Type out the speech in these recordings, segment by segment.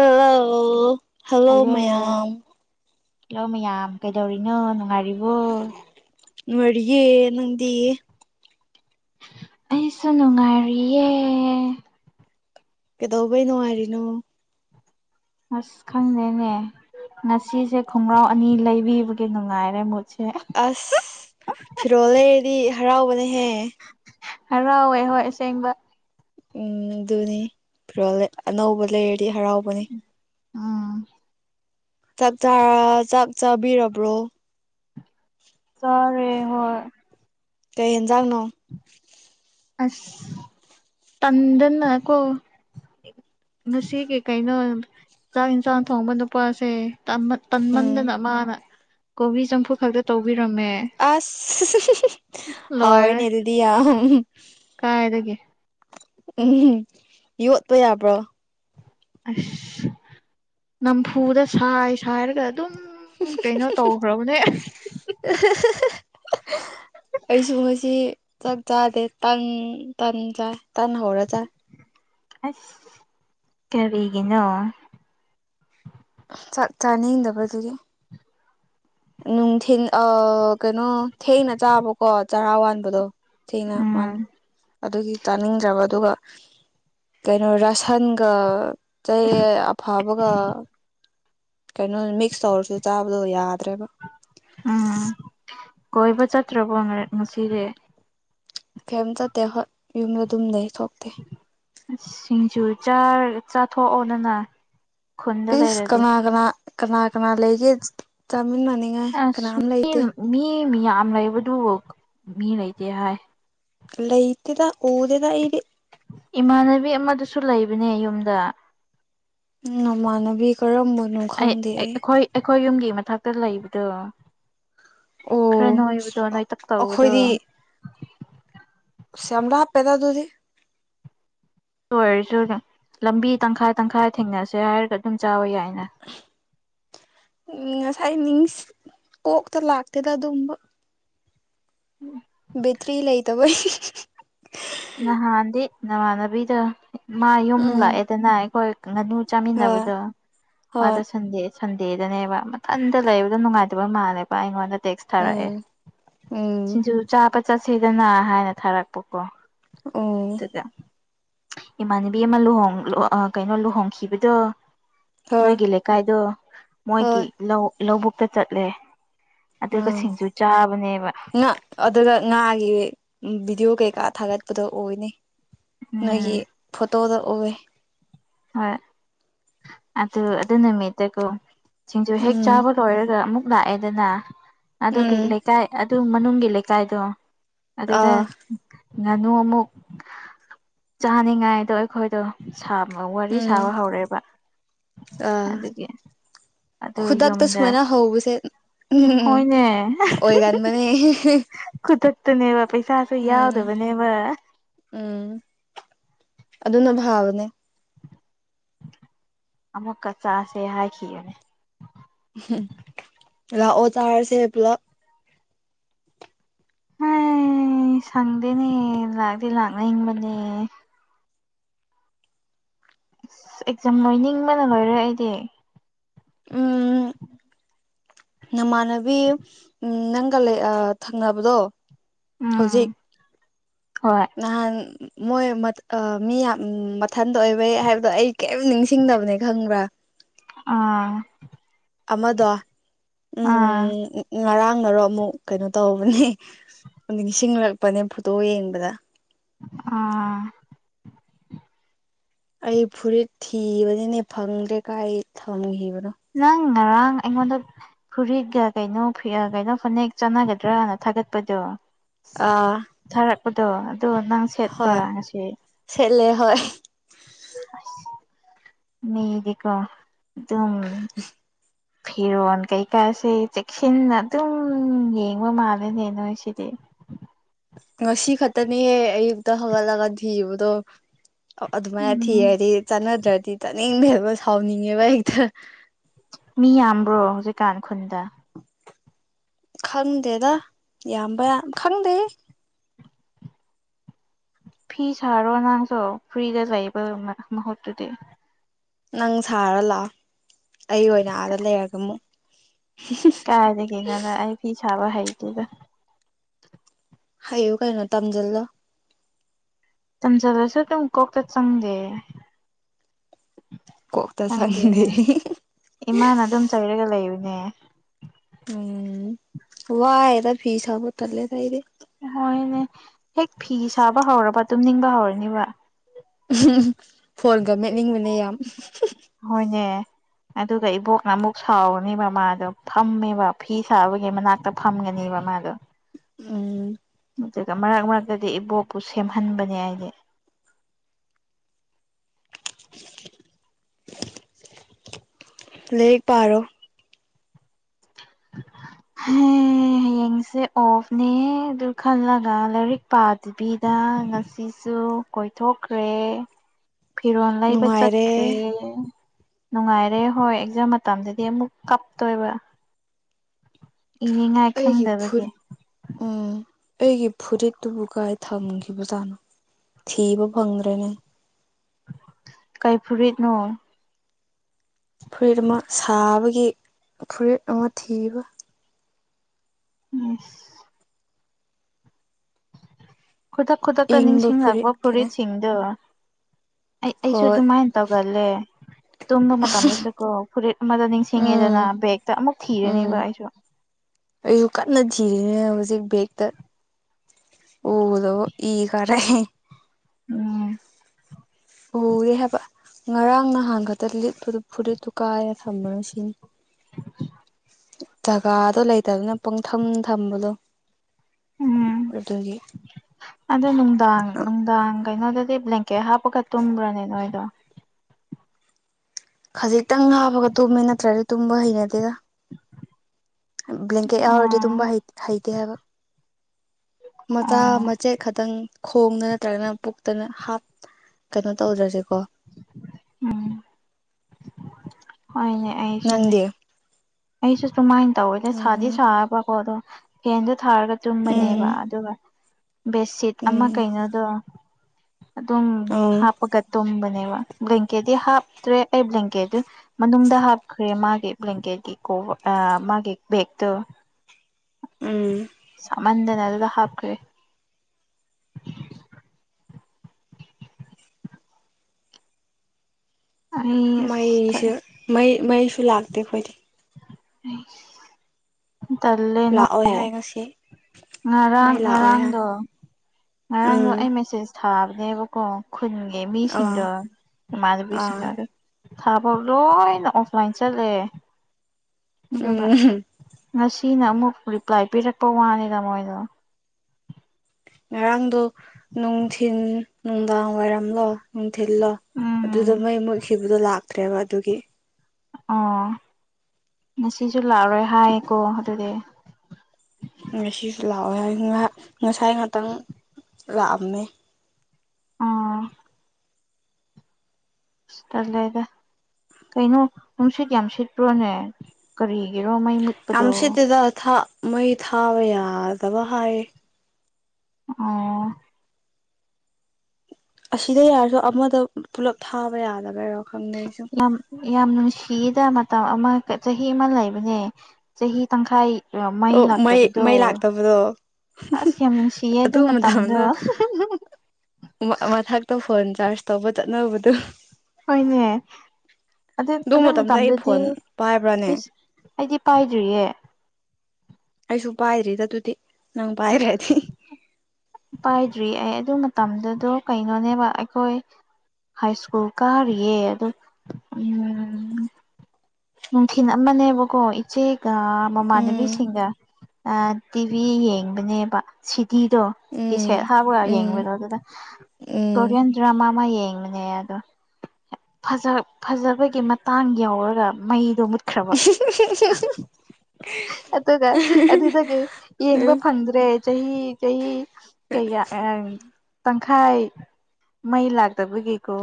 ꯑꯜꯂꯣ hello ꯃꯌꯥꯝ ꯌꯣ ꯃꯌꯥꯝ ꯀꯩꯗꯧꯔꯤꯅꯣ ꯅꯨꯡꯉꯥꯏꯔꯤꯕꯣ ꯅꯨꯉꯥꯏꯔꯤꯌꯦ ꯅꯪꯗꯤ ꯑꯩꯁꯨ ꯅꯨꯡꯉꯥꯏꯔꯤꯌꯦ ꯀꯩꯗꯧꯕꯩ ꯅꯨꯉꯥꯏꯔꯤꯅꯣ ꯑꯁ ꯈꯪꯗꯦꯅꯦ ꯉꯁꯤꯁꯦ ꯈꯣꯡꯒ꯭ꯔꯥꯎ ꯑꯅꯤ ꯂꯩꯕꯤꯕꯒꯤ ꯅꯨꯡꯉꯥꯏꯔꯦ ꯃꯨꯠꯁꯦ ꯑꯁ ꯐꯤꯔꯣꯜ ꯂꯩꯔꯗꯤ ꯍꯔꯥꯎꯕꯅꯦꯍꯦ ꯍꯔꯥꯎꯋꯦ ꯍꯣꯏ ꯑꯁꯦꯡꯕ ꯎꯝ ꯑꯗꯨꯅꯤ ꯐꯤꯔꯣꯜꯂꯦꯛ ꯑꯅꯧꯕ ꯂꯩꯔꯗꯤ ꯍꯔꯥꯎꯕꯅꯤ ꯎꯝ ꯆꯥꯛ ꯆꯥꯔ ꯆꯥꯛ ꯆꯥꯕꯤꯔꯕ꯭ꯔꯣ ꯆꯥꯔꯦ ꯍꯣꯏ ꯀꯩ ꯍꯦꯟꯖꯥꯡꯅꯣ ꯑꯁ ꯇꯟꯗꯟꯅ ꯀꯣ ꯏꯛ ꯉꯁꯤꯒꯤ ꯀꯩꯅꯣ ꯆꯥꯛ ꯌꯦꯟꯁꯥꯡ ꯊꯣꯡꯕ ꯅꯨꯄꯥꯁꯦ ꯇꯟꯃꯟ ꯎꯝ ꯇꯟꯃꯟꯗꯅ ꯃꯥꯅ ꯀꯣꯕꯤ ꯆꯝꯐꯨ ꯈꯛꯇ__ ꯇꯧꯕꯤꯔꯝꯃꯦ ꯑꯁ ꯂꯣꯏꯔꯦ ꯍꯥꯎꯔꯦꯅꯦ ꯑꯗꯨꯗꯤ ꯌꯥꯝ ꯀꯥꯏꯗꯒꯤ ꯎꯝ ꯌꯣꯠꯄ ꯌꯥꯕ꯭ꯔꯣ ꯑꯁ ꯅꯝꯐꯨꯗ ꯁꯥꯏ ꯁꯥꯏꯔꯒ ꯑꯗꯨꯝ ꯀꯩꯅꯣ ꯇꯧꯈ꯭ꯔꯕꯅꯦ ꯑꯩꯁꯨ ꯉꯁꯤ ꯆꯠ ꯆꯗꯦ ꯇꯟ ꯇꯥꯟꯆꯥ ꯇꯥꯟ ꯍꯧꯔ ꯆꯥ ꯑꯁ ꯀꯔꯤꯒꯤꯅꯣ ꯆꯥꯥꯛ ꯆꯥꯅꯤꯡꯗꯕꯗꯨꯒꯤ ꯅꯨꯡꯊꯤꯟ ꯑꯥ ꯀꯩꯅꯣ ꯊꯦꯡꯅ ꯆꯥꯕꯀꯣ ꯆꯔꯥ ꯋꯥꯟꯕꯗꯣ ꯊꯦꯡꯅ ꯋꯥꯟ ꯎꯝ ꯑꯗꯨꯒꯤ ꯇꯥꯅꯤꯡꯗ꯭ꯔꯕ ꯑꯗꯨꯒ ꯀꯩꯅꯣ ꯔꯁꯟꯒ ꯆꯩ ꯑꯐꯕꯒ ꯀꯩꯅꯣ ꯃꯤꯛꯁ ꯇꯧꯔꯁꯨ ꯆꯥꯕꯗꯣ ꯌꯥꯗ꯭ꯔꯦꯕ ꯎꯝ ꯀꯣꯏꯕ ꯆꯠꯇ꯭ꯔꯕꯣ ꯉꯥ ꯉꯁꯤꯗꯤ ꯀꯩꯝ ꯆꯠꯇꯦ ꯍꯣꯏ ꯌꯨꯝꯗ ꯑꯗꯨꯝ ꯂꯩ ꯊꯣꯛꯇꯦ ꯑꯁ ꯁꯤꯡꯖꯨ ꯆꯥꯔ ꯆꯥꯊꯣꯛꯑꯣꯗꯅ ꯈꯨꯟꯗ ꯏꯁ ꯂꯩꯔꯗꯤ ꯀꯅꯥ ꯀꯅꯥ ꯀꯅꯥ ꯀꯅꯥ ꯂꯩꯒꯦ ꯆꯥ ꯆꯥꯃꯤꯟꯅꯅꯤꯡ ꯑꯁ ꯃꯤ ꯃꯤ ꯃꯤꯌꯥꯝ ꯂꯩꯕꯗꯨꯕꯨ ꯃꯤ ꯂꯩꯇꯦ ꯍꯥꯏ ꯂꯩꯇꯦꯗ ꯎꯗꯦꯗ ꯑꯩꯗꯤ ꯏꯃꯥꯟꯅꯕꯤ ꯑꯃꯗꯨꯁꯨ ꯂꯩꯕꯅꯦ ꯌꯨꯝꯗ ꯎꯝ ꯅꯃꯥꯟꯅꯕꯤ ꯀꯔꯝꯕ ꯑꯩ ꯑꯩ ꯑꯩꯈꯣꯏ ꯑꯩꯈꯣꯏ ꯌꯨꯝꯒꯤ ꯃꯊꯛꯇ ꯂꯩꯕꯗꯣ ꯑꯣ ꯈꯔ ꯅꯣꯏꯕꯗꯣ ꯅꯣꯏ ꯇꯛ ꯇꯧꯕꯗꯣ ꯑꯩꯈꯣꯏꯗꯤ ꯑꯁ ꯌꯥꯝ ꯂꯥꯞꯄꯦꯗ ꯑꯗꯨꯗꯤ ꯗꯨ ꯑꯣꯏꯔꯁꯨꯌꯥ ꯂꯝꯕꯤ ꯇꯪꯈꯥꯏ ꯇꯪꯈꯥꯏ ꯊꯦꯡꯅꯁꯦ ꯍꯥꯏꯔꯒ ꯑꯗꯨꯝ ꯆꯥꯕ ꯌꯥꯏꯅ ꯎꯝ ꯉꯁꯥꯏ ꯅꯤꯡꯁꯤ ꯀꯣꯛꯇ ꯂꯥꯛꯇꯦꯗ ꯑꯗꯨꯝꯕ ꯎꯝ ꯕꯦꯇ꯭ꯔꯤ ꯂꯩꯇꯕꯩ ꯅꯍꯥꯟꯗꯤ ꯅꯃꯥꯟꯅꯕꯤꯗ ꯃꯥ ꯌꯨꯝ ꯎꯝ ꯂꯥꯛꯑꯦꯗꯅ ꯑꯩꯈꯣꯏ ꯉꯥꯅꯨ ꯍꯣꯏ ꯆꯥꯃꯤꯟꯅꯕꯗꯣ ꯍꯣꯏ ꯃꯥꯗꯣ ꯁꯟꯗꯦ ꯁꯟꯗꯦꯗꯅꯦꯕ ꯃꯊꯟꯇ ꯂꯩꯕꯗꯣ ꯅꯨꯡꯉꯥꯏꯇꯕ ꯃꯥꯜꯂꯦꯕ ꯑꯩꯉꯣꯟꯗ ꯇꯦꯛꯁ ꯊꯥꯔꯛꯑꯦ ꯎꯝ ꯎꯝ ꯁꯤꯡꯖꯨ ꯆꯥꯕ ꯆꯠꯁꯦꯗꯅ ꯍꯥꯏꯅ ꯊꯥꯔꯛꯄꯀꯣ ꯑꯣ ꯑꯗꯨꯗ ꯏꯃꯥꯟꯅꯕꯤ ꯑꯃ ꯂꯨꯍꯣꯡ ꯑꯥ ꯀꯩꯅꯣ ꯂꯨꯍꯣꯡꯈꯤꯕꯗꯣ ꯍꯣꯏ ꯃꯣꯏꯒꯤ ꯂꯩꯀꯥꯏꯗꯣ ꯃꯣꯏꯒꯤ ꯍꯣꯏ ꯂꯧ ꯂꯧꯕꯨꯛꯇ ꯆꯠꯂꯦ ꯑꯗꯨꯒ ꯑꯣ ꯁꯤꯡꯖꯨ ꯆꯥꯕꯅꯦꯕ ꯉꯥ ꯑꯗꯨꯒ ꯉꯥꯒꯤ ꯚꯤꯗꯤꯑꯣ ꯀꯩꯀꯥ ꯊꯥꯒꯠꯄꯗꯣ ꯑꯣꯏꯅꯤ ꯎꯝ ꯅꯣꯏꯒꯤ ꯐꯣꯇꯣꯗ ꯎꯋꯦ ꯍꯣꯏ ꯑꯗꯨ ꯑꯗꯨ ꯅꯨꯃꯤꯠꯇꯀꯣ ꯁꯤꯡꯖꯨ ꯍꯦꯛ ꯎꯝ ꯆꯥꯕ ꯂꯣꯏꯔꯒ ꯑꯃꯨꯛ ꯂꯥꯛꯑꯦꯗꯅ ꯑꯗꯨꯒꯤ ꯎꯝ ꯂꯩꯀꯥꯏ ꯑꯗꯨ ꯃꯅꯨꯡꯒꯤ ꯂꯩꯀꯥꯏꯗꯣ ꯑꯗꯨꯗ ꯑꯥ ꯉꯥꯅꯨ ꯑꯃꯨꯛ ꯆꯥꯅꯤꯡꯉꯥꯏꯗꯣ ꯑꯩꯈꯣꯏꯗꯣ ꯁꯥ ꯑꯥ ꯋꯥꯔꯤ ꯎꯝ ꯁꯥꯕ ꯍꯧꯔꯦꯕ ꯑꯥ ꯑꯗꯨꯒꯤ ꯑꯗꯨ ꯈꯨꯗꯛꯇ ꯌꯨꯝꯗ ꯁꯨꯃꯥꯏꯅ ꯍꯧꯕꯁꯦ ꯎꯝ ꯍꯣꯏꯅꯦ ꯑꯣꯏꯒꯥꯟꯕꯅꯦ ꯈꯨꯗꯛꯇꯅꯦꯕ ꯄꯩꯁꯥꯁꯨ ꯌꯥꯎꯗꯕꯅꯦꯕ ꯎꯝ ꯑꯗꯨꯅ ꯐꯥꯕꯅꯦ ꯑꯃꯨꯛꯀ ꯆꯥꯁꯦ ꯍꯥꯏꯈꯤꯕꯅꯦ ꯂꯥꯛꯑꯣ ꯆꯥꯔꯁꯦ ꯄꯨꯂꯞ ꯍꯥ ꯁꯪꯗꯦꯅꯦ ꯂꯥꯛꯇꯦ ꯂꯥꯛꯇꯤ ꯂꯥꯛꯅꯤꯡꯕꯅꯦ ꯑꯁ ꯑꯦꯛꯖꯥꯝ ꯂꯣꯏꯅꯤꯡꯕꯅ ꯂꯣꯏꯔꯦ ꯑꯩꯗꯤ ꯎꯝ ꯅꯃꯥꯟꯅꯕꯤ ꯅꯪꯒ ꯂꯩ ꯊꯪꯅꯕꯗꯣ ꯎꯝ ꯍꯧꯖꯤꯛ ꯍꯣꯏ ꯅꯍꯥꯟ ꯃꯣꯏ ꯃꯤ ꯌꯥꯝ ꯃꯊꯟꯇ ꯑꯣꯏꯕꯩ ꯍꯥꯏꯕꯗꯣ ꯑꯩ ꯀꯩꯝ ꯅꯤꯡꯁꯤꯡꯗꯕꯅꯦ ꯈꯪꯕ꯭ꯔꯥ ꯑꯥ ꯑꯃꯗꯣ ꯑꯥ ꯎꯝ ꯉꯔꯥꯡꯔꯣ ꯑꯃꯨꯛ ꯀꯩꯅꯣ ꯇꯧꯕꯅꯦ ꯅꯤꯡꯁꯤꯡꯂꯛꯄꯅꯦ ꯐꯣꯇꯣ ꯌꯦꯡꯕꯗ ꯑꯥ ꯑꯩ ꯐꯨꯔꯤꯠ ꯊꯤꯕꯅꯤꯅꯦ ꯐꯪꯗ꯭ꯔꯦ ꯀꯥꯏ ꯊꯝꯈꯤꯕꯅꯣ ꯅꯪ ꯉꯔꯥꯡ ꯑꯩꯉꯣꯟꯗ ꯐꯨꯔꯤꯠꯒ ꯀꯩꯅꯣ ꯀꯩꯅꯣ ꯐꯅꯦꯛ ꯆꯥꯟꯅꯒꯗ꯭ꯔꯅ ꯊꯥꯒꯠꯄꯗꯣ ꯑꯥ ꯊꯥꯔꯛꯄꯗꯣ ꯑꯗꯣ ꯅꯪ ꯁꯦꯠꯄ꯭ꯔꯥ ꯍꯣꯏ ꯉꯁꯤ ꯁꯦꯠꯂꯦ ꯍꯣꯏ ꯃꯤꯗꯤꯀꯣ ꯑꯗꯨꯝ ꯐꯤꯔꯣꯜ ꯀꯩꯀꯥꯁꯦ ꯆꯦꯛꯁꯤꯟꯅ ꯑꯗꯨꯝ ꯌꯦꯡꯕ ꯃꯥꯜꯂꯦꯅꯦ ꯅꯣꯏꯁꯤꯗꯤ ꯉꯁꯤ ꯈꯛꯇꯅꯦꯍꯦ ꯑꯌꯨꯛꯇ ꯍꯧꯒꯠꯂꯒ ꯊꯤꯕꯗꯣ ꯑꯗꯨꯃꯥꯏꯅ ꯎꯝ ꯊꯤꯔꯗꯤ ꯆꯥꯟꯅꯗ꯭ꯔꯗꯤ ꯆꯠꯅꯤꯡꯗꯦꯕ ꯁꯥꯎꯅꯤꯡꯉꯦꯕ ꯍꯦꯛꯇ ꯃꯤ ꯌꯥꯝꯕ꯭ꯔꯣ ꯍꯧꯖꯤꯛꯀꯥꯟ ꯈꯨꯟꯗ ꯈꯪꯗꯦꯗ ꯌꯥꯝꯕ ꯈꯪꯗꯦꯍꯦ ꯐꯤ ꯁꯥꯔꯣ ꯅꯪꯁꯨ ꯐ꯭ꯔꯤꯗ ꯂꯩꯕ ꯃꯍꯨꯠꯇꯨꯗꯤ ꯅꯪ ꯁꯥꯔ ꯂꯥꯛꯑꯣ ꯑꯩ ꯑꯣꯏꯅ ꯑꯥꯗ ꯂꯩꯔꯒ ꯑꯃꯨꯛ ꯀꯥꯏꯗꯒꯤꯅꯣꯗ ꯑꯩ ꯐꯤ ꯁꯥꯕ ꯍꯩꯇꯦꯗ ꯍꯩꯌꯨ ꯀꯩꯅꯣ ꯇꯝꯖꯤꯜꯂꯣ ꯇꯝꯖꯤꯜꯂꯁꯨ ꯗꯨꯝ ꯀꯣꯛꯇ ꯆꯪꯗꯦ ꯀꯣꯛꯇ ꯆꯪꯗꯦ ꯈꯪꯗꯦꯅꯦ ꯏꯃꯥꯅ ꯑꯗꯨꯝ ꯆꯩꯔꯒ ꯂꯩꯕꯅꯦ ꯋꯥꯌꯦꯗ ꯐꯤ ꯁꯥꯕ ꯇꯜꯂꯦꯗ ꯑꯩꯗꯤ ꯍꯣꯏꯅꯦ ꯍꯦꯛ ꯐꯤ ꯁꯥꯕ ꯍꯧꯔꯕ ꯇꯨꯝꯅꯤꯡꯕ ꯍꯧꯔꯅꯤꯕ ꯐꯣꯟꯒ ꯃꯦꯠꯅꯤꯡꯕꯅꯦ ꯌꯥꯝ ꯍꯣꯏꯅꯦ ꯑꯗꯨꯒ ꯏꯕꯣꯛꯅ ꯑꯃꯨꯛ ꯁꯥꯎꯔꯅꯦꯕ ꯃꯥꯗꯣ ꯐꯝꯃꯦꯕ ꯐꯤ ꯁꯥꯕꯒꯤ ꯃꯅꯥꯛꯇ ꯐꯝꯒꯅꯤꯕ ꯃꯥꯗꯣ ꯎꯝ ꯑꯗꯨꯒ ꯃꯔꯛ ꯃꯔꯛꯇꯗꯤ ꯏꯕꯣꯛꯄꯨ ꯁꯦꯝꯍꯟꯕꯅꯤ ꯑꯩꯗꯤ ꯂꯥꯏꯔꯤꯛ ꯄꯥꯔꯣ ꯍꯩ ꯍꯌꯦꯡꯁꯦ ꯑꯣꯐꯅꯦ ꯑꯗꯨ ꯈꯜꯂꯒ ꯂꯥꯏꯔꯤꯛ ꯄꯥꯗꯕꯤꯗ ꯉꯁꯤꯁꯨ ꯀꯣꯏꯊꯣꯛꯈ꯭ꯔꯦ ꯐꯤꯔꯣꯜ ꯂꯩꯕ ꯅꯨꯡꯉꯥꯏꯔꯦ ꯆꯠꯈ꯭ꯔꯦ ꯅꯨꯡꯉꯥꯏꯔꯦ ꯍꯣꯏ ꯑꯦꯛꯖꯥꯝ ꯃꯇꯝꯗꯗꯤ ꯑꯃꯨꯛ ꯀꯞꯇꯣꯏꯕ ꯏꯅꯤꯉꯥꯏ ꯑꯩꯒꯤ ꯐꯨ ꯎꯝ ꯑꯩꯒꯤ ꯐꯨꯔꯤꯠꯇꯨꯕꯨ ꯀꯥꯏ ꯊꯝꯈꯤꯕꯖꯥꯠꯅꯣ ꯊꯤꯕ ꯐꯪꯗ꯭ꯔꯦꯅꯦ ꯀꯩ ꯐꯨꯔꯤꯠꯅꯣ ꯐꯨꯔꯤꯠ ꯑꯃ ꯁꯥꯕꯒꯤ ꯐꯨꯔꯤꯠ ꯑꯃ ꯊꯤꯕ ꯑꯁ ꯈꯨꯗꯛ ꯈꯨꯗꯛꯇ ꯏꯪꯕ ꯅꯤꯡꯁꯤꯡ ꯂꯛꯄ ꯀꯩꯅꯣ ꯐꯨꯔꯤꯠ ꯁꯤꯡꯗꯣ ꯑꯩ ꯑꯩꯁꯨ ꯍꯣꯏ ꯑꯗꯨꯃꯥꯏ ꯇꯧꯒꯜꯂꯦ ꯇꯨꯝꯕ ꯃꯇꯝꯗꯁꯨ ꯀꯣ ꯐꯨꯔꯤꯠ ꯑꯃꯗ ꯎꯝ ꯅꯤꯡꯁꯤꯡꯉꯦꯗꯅ ꯕꯦꯛꯇ ꯑꯃꯨꯛ ꯎꯝ ꯊꯤꯔꯅꯦꯕ ꯑꯩꯁꯨ ꯑꯩꯁꯨ ꯀꯟꯅ ꯊꯤꯔꯤꯅꯦ ꯍꯧꯖꯤꯛ ꯕꯦꯛꯇ ꯎꯕꯗꯕ ꯏꯀꯔꯦ ꯎꯝ꯫ ꯎꯌꯦ ꯍꯥꯏꯕ ꯉꯔꯥꯡ ꯅꯍꯟ ꯈꯛꯇ ꯂꯤꯠꯄꯗꯨ ꯐꯨꯔꯤꯠꯇꯨ ꯀꯥꯏꯔ ꯊꯝꯕꯅꯣ ꯁꯤꯅꯤ꯫ [inaudible] ꯖꯒꯥꯗꯣ ꯂꯩꯇꯕꯅ ꯄꯪꯊꯝ ꯊꯝꯕꯗꯣ ꯑꯗꯨꯒꯤ꯫ ꯑꯗꯨ ꯅꯨꯡꯗꯥꯡ ꯅꯨꯡꯗꯥꯡ ꯀꯩꯅꯣꯗꯗꯤ ꯕ꯭ꯂꯦꯡꯀꯦꯠ ꯍꯥꯞꯄꯒ ꯇꯨꯝꯕ꯭ꯔꯅꯦ ꯅꯣꯏꯗꯣ꯫ ꯈꯖꯤꯛꯇꯪ ꯍꯥꯥꯞꯕꯒ ꯇꯨꯝꯃꯤ ꯅꯠꯇ꯭ꯔꯗꯤ ꯇꯨꯝꯕ ꯍꯩꯅꯗꯦꯗ꯫ ꯕ꯭ꯂꯦꯡꯀꯦꯠ ꯌꯥꯎꯔꯗꯤ ꯑꯣ ꯇꯨꯝꯕ ꯍꯩꯇꯦ ꯍꯥꯏꯕ꯫ ꯃꯆꯥ ꯑꯣ ꯃꯆꯦꯠ ꯈꯇꯪ ꯈꯣꯡꯗ ꯅꯠꯇ꯭ꯔꯒꯅ ꯄꯨꯛꯇꯅ ꯍꯥꯞ ꯀꯩꯅꯣ ꯇꯧꯗ꯭ꯔꯗꯤꯀꯣ꯫ ꯎꯝ꯫ ꯍꯣꯏꯅꯦ ꯑꯩꯁꯨꯅꯦ꯫ ꯅꯪꯗꯤ ꯑꯩꯁꯨ ꯁꯨꯃꯥꯏꯅ ꯇꯧꯋꯦꯅꯦ ꯁꯥꯗꯤ ꯎꯝ ꯁꯥꯕꯀꯣ ꯑꯗꯣ ꯐꯦꯟꯗꯣ ꯊꯥꯔꯒ ꯇꯨꯝꯕꯅꯦꯕ ꯎꯝ ꯑꯗꯨꯒ ꯕꯦꯠꯁꯤꯠ ꯑꯃ ꯎꯝ ꯀꯩꯅꯣꯗꯣ꯫ ꯑꯗꯨꯝ ꯎꯝ ꯍꯥꯞꯄꯒ ꯇꯨꯝꯕꯅꯦꯕ ꯕ꯭ꯂꯦꯟꯀꯦꯠꯗꯤ ꯍꯥꯞꯇ꯭ꯔꯦ ꯑꯩ ꯕ꯭ꯂꯦꯟꯀꯦꯠ ꯃꯅꯨꯡꯗ ꯍꯥꯞꯈ꯭ꯔꯦ ꯃꯥꯒꯤ ꯕ꯭ꯂꯦꯡꯀꯦꯠꯀꯤ ꯀꯣ ꯃꯥꯒꯤ ꯕꯦꯒꯛꯇꯨ ꯎꯝ ꯁꯃꯟꯗꯅ ꯑꯗꯨꯒ ꯍꯥꯈꯔꯦ ꯑꯩ ꯑꯁ ꯃꯩꯁꯦ ꯃꯩ ꯃꯩꯁꯨ ꯂꯥꯛꯇꯦ ꯑꯩꯈꯣꯏꯗꯤ ꯎꯝ ꯂꯥꯛꯑꯣꯏ ꯍꯥꯏ ꯉꯁꯤ ꯉꯔꯥꯡ ꯃꯩ ꯂꯥꯛꯑꯣꯏ ꯍꯥꯏ ꯉꯔꯥꯡꯗꯣ ꯉꯔꯥꯡꯗꯣ ꯎꯝ ꯑꯩ ꯃꯦꯁꯦꯁ ꯊꯥꯕꯅꯦꯕ ꯀ ꯈꯨꯟꯒꯤ ꯃꯤꯁꯤꯡꯗꯣ ꯑꯥ ꯏꯃꯥꯟꯅꯕꯤꯁꯤꯡꯗꯣ ꯑꯥ ꯊꯥꯕ ꯂꯣꯏꯅ ꯑꯣꯐꯂꯥꯏꯟ ꯆꯂꯦ ꯑꯗꯨꯒ ꯎꯝ ꯉꯁꯤꯅ ꯑꯃꯨꯛ ꯔꯤꯄ꯭ꯂꯥꯏ ꯄꯤꯔꯛꯄ ꯋꯥꯅꯤꯗ ꯃꯣꯏꯗꯣ ꯉꯔꯥꯡꯗꯣ ꯅꯨꯡꯊꯤꯟ ꯅꯨꯡꯗꯥꯡ ꯋꯥꯏꯔꯝꯂꯣ ꯅꯨꯡꯊꯤꯜꯂꯣ ꯎꯝ ꯑꯗꯨꯗ ꯃꯩ ꯃꯨꯠꯈꯤꯕꯗꯣ ꯂꯥꯛꯇ꯭ꯔꯦꯕ ꯑꯗꯨꯒꯤ ꯑꯣ ꯉꯁꯤꯁꯨ ꯂꯥꯛꯑꯔꯣꯏ ꯍꯥꯏꯌꯦꯀꯣ ꯑꯗꯨꯗꯤ ꯉꯁꯤꯁꯨ ꯂꯥꯛꯑꯣ ꯉꯥꯏꯍꯥꯛ ꯉꯁꯥꯏ ꯉꯥꯛꯇꯪ ꯂꯥꯛꯑꯝꯃꯦ ꯑꯥ ꯇꯜꯂꯦꯗꯥ ꯀꯩꯅꯣ ꯅꯨꯡꯁꯤꯠ ꯌꯥꯝ ꯁꯤꯠꯄ꯭ꯔꯣꯅꯦ ꯀꯔꯤꯒꯤꯔꯣ ꯃꯩ ꯃꯨꯠ ꯌꯥꯝ ꯁꯤꯠꯇꯦꯗ ꯃꯩ ꯊꯥꯕ ꯌꯥꯗꯕ ꯍꯥꯏ ꯑꯣ ꯑꯁꯤꯗ ꯑꯁ ꯌꯥꯔꯁꯨ ꯑꯃꯗ ꯄꯨꯂꯞ ꯊꯥꯕ ꯌꯥꯗꯕꯔꯣ ꯈꯪꯗꯦ ꯑꯩꯁꯨ ꯌꯥꯝ ꯌꯥꯝ ꯅꯨꯡꯁꯤꯗ ꯃꯇꯝ ꯑꯃ ꯆꯍꯤ ꯑꯃ ꯂꯩꯕꯅꯦ ꯆꯍꯤ ꯇꯪꯈꯥꯏ ꯃꯩ ꯑꯣ ꯂꯥꯛꯇꯕꯗꯣ ꯃꯩ ꯂꯥꯛꯇꯕꯗꯣ ꯑꯁ ꯌꯥꯝ ꯅꯨꯡꯁꯤꯌꯦ ꯑꯗꯨ ꯃꯇꯝꯗꯣ ꯃꯊꯛꯇ ꯐꯣꯟ ꯆꯥꯔꯖ ꯇꯧꯕ ꯆꯠꯅꯕꯗꯨ ꯍꯣꯏꯅꯦ ꯑꯗꯨ ꯑꯗꯨ ꯃꯇꯝꯗ ꯑꯩ ꯃꯇꯝꯗꯨꯗꯤ ꯐꯣꯟ ꯄꯥꯏꯕ꯭ꯔꯥꯅꯦ ꯑꯩꯗꯤ ꯄꯥꯏꯗ꯭ꯔꯤꯌꯦ ꯑꯩꯁꯨ ꯄꯥꯏꯗ꯭ꯔꯤꯗ ꯑꯗꯨꯗꯤ ꯅꯪ ꯄꯥꯏꯈ꯭ꯔꯗꯤ ꯄꯥꯏꯗ꯭ꯔꯤ ꯑꯩ ꯑꯗꯨ ꯃꯇꯝꯗꯨꯗꯣ ꯀꯩꯅꯣꯅꯦꯕ ꯑꯩꯈꯣꯏ ꯍꯥꯏ ꯁ꯭ꯀꯨꯜ ꯀꯥꯔꯤꯌꯦ ꯑꯗꯨ ꯎꯝ ꯅꯨꯡꯊꯤꯜ ꯑꯃꯅꯦꯕꯀꯣ ꯏꯆꯦꯒ ꯎꯝ ꯃꯃꯥꯟꯅꯕꯤꯁꯤꯡꯒ ꯑꯖ ꯇꯤꯚ ꯌꯦꯡꯕꯅꯦꯕ ꯁꯤꯗꯤꯤꯗꯣ ꯀ ꯁꯦꯠ ꯎꯝ ꯍꯥꯕꯒ ꯎꯝ ꯌꯦꯡꯕꯤꯔꯣ ꯑꯗꯨꯗ ꯎꯝ ꯀꯣꯔꯤꯌꯥꯟ ꯗ꯭ꯔꯃꯥ ꯑꯃ ꯌꯦꯡꯕꯅꯦ ꯑꯖꯥ ꯐꯖꯕꯒꯤ ꯃꯇꯥꯡ ꯌꯧꯔꯒ ꯃꯩꯗꯣ [unintelligible] ꯑꯒ ꯑꯗꯨꯗꯗꯒꯦ ꯌꯦꯡꯒ ꯎꯝ ꯐꯪꯗ꯭ꯔꯦ ꯆꯍꯤ ꯆꯍꯤ ꯀꯩꯌꯥ ꯇꯪꯈ ꯃꯩ ꯂꯥꯛꯇꯕꯒꯦꯀꯣ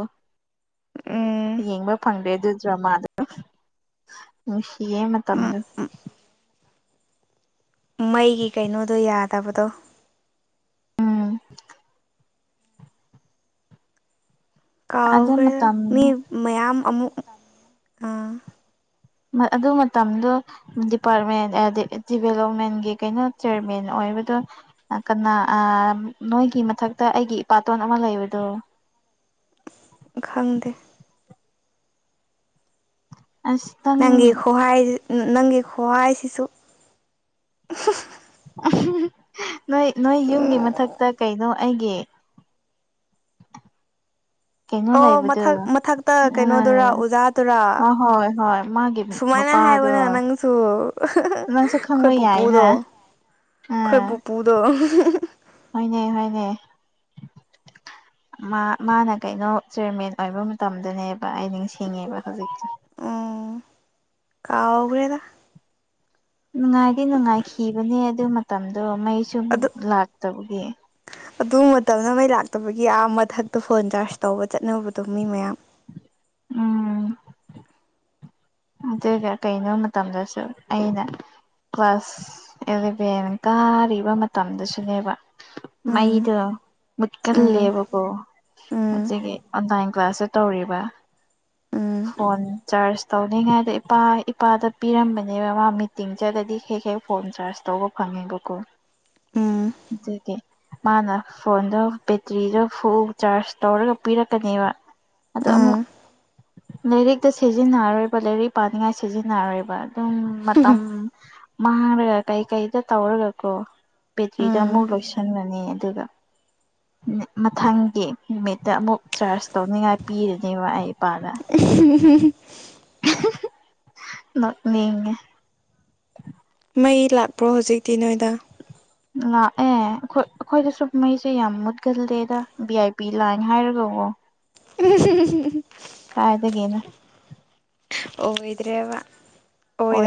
ꯎꯝ ꯌꯦꯡꯕ ꯐꯪꯗꯦ ꯑꯗꯨ ꯗ꯭ꯔꯃꯥꯗ ꯅꯨꯡꯁꯤꯌꯦ ꯃꯇꯝꯗꯨꯣ ꯃꯩꯒꯤ ꯀꯩꯅꯣꯗꯣ ꯌꯥꯗꯕꯗꯣ ꯎꯝ ꯑꯗꯨ ꯀꯥꯎꯈ꯭ꯔꯦ ꯃꯇꯝ ꯃꯤ ꯃꯌꯥꯝ ꯑꯃꯨꯛ ꯑꯥ ꯍꯣꯌ ꯑꯗꯨ ꯃꯇꯝꯗꯣ ꯗꯤꯄꯥꯔꯠꯃꯦꯟ ꯗꯤꯚꯦꯂꯞꯃꯦꯟꯒꯤ ꯀꯩꯅꯣ ꯆꯤꯔꯃꯦꯟ ꯑꯣꯏꯕꯗꯣ ꯀꯅꯥ ꯅꯣꯏꯒꯤ ꯃꯊꯛꯇ ꯑꯩꯒꯤ ꯏꯄꯥꯇꯣꯟ ꯑꯃ ꯂꯩꯕꯗꯣ ꯈꯪꯗꯦ ꯑꯁ ꯅꯪ ꯅꯪꯒꯤ ꯈꯨꯍꯥꯏ ꯅꯪꯒꯤ ꯈꯨꯍꯥꯏꯁꯤꯁꯨ ꯅꯣꯏ ꯅꯣꯏ ꯌꯨꯝꯒꯤ ꯃꯊꯛꯇ ꯀꯩꯅꯣ ꯑꯩꯒꯤ ꯀꯩꯅꯣ ꯑꯣ ꯂꯩꯕꯗꯣ ꯃꯊꯛ ꯃꯊꯛꯇ ꯀꯩꯅꯣꯗꯨꯔꯥ ꯑꯣꯖꯥꯗꯨꯔꯥ ꯑ ꯍꯣꯏ ꯍꯣꯏ ꯃꯥꯒꯤ ꯁꯨꯃꯥꯏꯅ ꯃꯄꯥꯗꯣ ꯍꯥꯏꯕꯅ ꯅꯪꯁꯨ ꯅꯪꯁꯨ ꯑꯩꯈꯣꯏ ꯈꯪꯕ ꯌꯥꯏꯅ ꯄꯨꯄꯨꯗꯣ ꯑꯩꯈꯣꯏ ꯑꯥ ꯄꯨꯄꯨꯗꯣ ꯍꯣꯏꯅꯦ ꯍꯣꯏꯅꯦ ꯃꯥ ꯃꯥꯅ ꯀꯩꯅꯣ ꯆꯤꯌꯔꯃꯦꯟ ꯑꯣꯏꯕ ꯃꯇꯝꯗꯅꯦꯕ ꯑꯩ ꯅꯤꯡꯁꯤꯡꯉꯦꯕ ꯍꯧꯖꯤꯛꯁꯨ ꯎꯝ ꯀꯥꯎꯈ꯭ꯔꯦꯗ ꯅꯨꯡꯉꯥꯏꯗꯤ ꯅꯨꯡꯉꯥꯏꯈꯤꯕꯅꯦ ꯑꯗꯨ ꯃꯇꯝꯗꯣ ꯃꯩ ꯁꯨ ꯑꯗꯨ ꯂꯥꯛꯇꯕꯒꯤ ꯑꯗꯨ ꯃꯇꯝꯗ ꯃꯩ ꯂꯥꯛꯇꯕꯒꯤ ꯑꯥ ꯃꯊꯛꯇ ꯐꯣꯟ ꯆꯥꯔꯖ ꯇꯧꯕ ꯆꯠꯅꯕꯗꯣ ꯃꯤ ꯃꯌꯥꯝ ꯎꯝ ꯑꯗꯨꯒ ꯀꯩꯅꯣꯕ ꯃꯇꯝꯗꯁꯨ ꯑꯩꯅ ꯀ꯭ꯂꯥꯁ ꯑꯦꯂꯦꯕꯦꯟ ꯀꯥꯔꯤꯕ ꯃꯇꯝꯗꯁꯨꯅꯦꯕ ꯎꯝ ꯃꯩꯗꯣ ꯎꯝ ꯃꯨꯠꯀꯜꯂꯦꯕꯀꯣ ꯎꯝ ꯑꯁꯤꯒꯤ ꯑꯣꯟꯂꯥꯏꯟ ꯀ꯭ꯂꯥꯁꯁꯦ ꯇꯧꯔꯤꯕ ꯐꯣꯟ ꯆꯥꯖ ꯇꯧ ꯅꯤꯡꯉꯥꯏꯗꯣ ꯏꯄꯥ ꯏꯄꯥꯗ ꯄꯤꯔꯝꯕꯅꯦꯕ ꯃꯥ ꯃꯤꯇꯤꯡ ꯆꯠꯂꯗꯤ ꯍꯦꯛ ꯍꯦꯛ ꯐꯣꯟ ꯆꯥꯔꯖ ꯇꯧꯕ ꯐꯪꯉꯦꯕꯀꯣ ꯎꯝ ꯎꯝ ꯖꯦ ꯀꯦ ꯃꯥꯅ ꯐꯣꯟꯗꯣ ꯕꯦꯇ꯭ꯔꯤꯗꯣ ꯐꯨꯜ ꯆꯥꯔꯖ ꯇꯧꯔꯒ ꯄꯤꯔꯛꯀꯅꯦꯕ ꯑꯗꯣ ꯎꯝ ꯑꯃꯨꯛ ꯂꯥꯏꯔꯤꯛꯇ ꯁꯤꯖꯤꯟꯅꯔꯣꯏ ꯂꯥꯏꯔꯤꯛ ꯄꯥꯅꯤꯡꯉꯥꯏ ꯁꯤꯖꯤꯟꯅꯔꯣꯏꯕ ꯑꯗꯨꯝ ꯃꯇꯝ ꯃꯥꯥꯡꯔꯒ ꯀꯩ ꯀꯩꯗ ꯇꯧꯔꯀꯣ ꯕꯦꯇ꯭ꯔꯤꯗ ꯑꯃꯨꯛ ꯎꯝ ꯂꯣꯏꯁꯤꯟꯂꯅꯤ ꯑꯗꯨꯒ ꯃꯊꯪꯒꯤ ꯅꯨꯃꯤꯠꯇ ꯑꯃꯨꯛ ꯆꯥꯔꯖ ꯇꯧꯅꯤꯡꯉꯥꯏ ꯄꯤꯔꯅꯦꯕ ꯑꯩ ꯏꯄꯥꯗ ꯎ [inaudible] ꯅꯣꯛꯅꯤꯡꯉꯦ [inaudible] ꯃꯩ ꯂꯥꯛꯄ꯭ꯔꯣ ꯍꯧꯖꯤꯛꯇꯤ ꯅꯣꯏꯗ ꯂꯥꯛꯑꯦ ꯑꯩꯈꯣꯏ ꯑꯩꯈꯣꯏꯗ ꯁꯨꯝ ꯃꯩꯁꯦ ꯌꯥꯝ ꯃꯨꯠꯀꯜꯂꯦꯗ ꯚꯤ ꯑꯥꯏ ꯄꯤ ꯂꯥꯏꯟꯅꯦ ꯍꯥꯏꯔꯒꯀꯣ [inaudible] ꯎꯝ [inaudible] ꯀꯥꯏꯗꯒꯤꯅꯣ ꯑꯣꯏꯗ꯭ꯔꯦꯕ ꯑꯣꯏꯔꯛ ꯑꯣꯏ